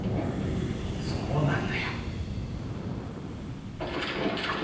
そうなんだよ。